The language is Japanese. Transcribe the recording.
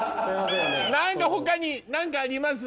何か他に何かあります？